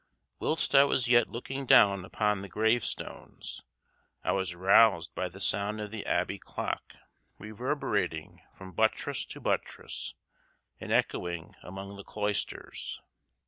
Whilst I was yet looking down upon the gravestones I was roused by the sound of the abbey clock, reverberating from buttress to buttress and echoing among the cloisters.